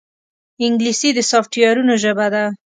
انګلیسي د سافټویرونو ژبه ده